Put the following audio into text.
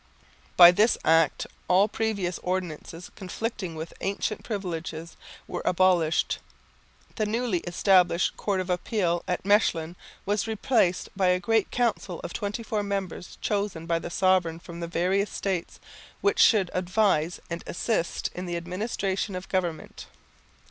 By this Act all previous ordinances conflicting with ancient privileges were abolished. The newly established Court of Appeal at Mechlin was replaced by a Great Council of twenty four members chosen by the sovereign from the various states, which should advise and assist in the administration of government.